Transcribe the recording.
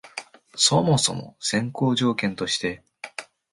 そもそも先行条件として、